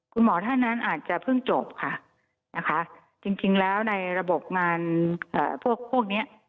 คุณหมอท่านนั้นอาจจะเพิ่งจบค่ะนะคะจริงแล้วในระบบงานพวกเนี้ย